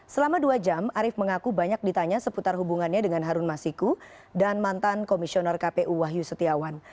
selama dua jam arief mengaku banyak ditanya seputar hubungannya dengan harun masiku dan mantan komisioner kpu wahyu setiawan